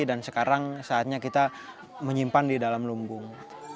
dan sekarang saatnya kita menyimpan di dalam lumbung